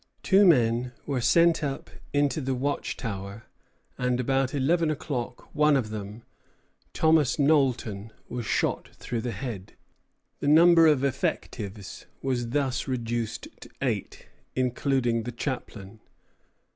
Two men were sent up into the watchtower, and about eleven o'clock one of them, Thomas Knowlton, was shot through the head. The number of effectives was thus reduced to eight, including the chaplain.